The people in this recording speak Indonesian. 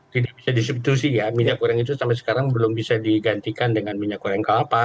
tidak bisa disubstitusi ya minyak goreng itu sampai sekarang belum bisa digantikan dengan minyak goreng kelapa